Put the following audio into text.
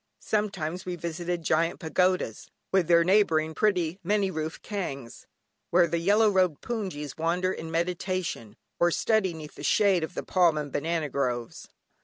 Sometimes we visited quaint pagodas, with their neighbouring pretty, many roofed kyaungs where the yellow robed hpoongyis, wander in meditation, or study 'neath the shade of the palm and banana groves.